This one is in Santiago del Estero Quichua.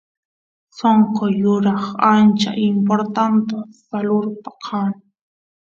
sonqo yuraq ancha importanta salurpa kan